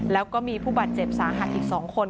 แล้วก็มีผู้บาดเจ็บสาหัสอีก๒คน